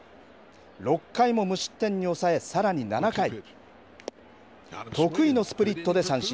６回も無失点に押さえさらに７回得意のスプリットで三振。